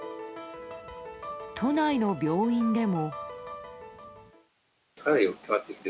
都内の病院でも。